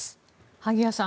萩谷さん